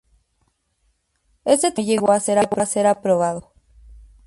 Este trabajo no llegó a ser aprobado.